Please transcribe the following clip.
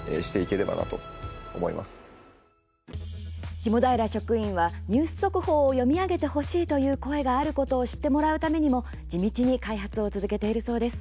下平職員はニュース速報を読み上げてほしいという声があることを知ってもらうためにも地道に開発を続けているそうです。